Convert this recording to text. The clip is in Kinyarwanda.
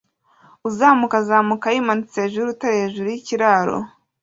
Uzamuka azamuka yimanitse hejuru y'urutare hejuru yikiraro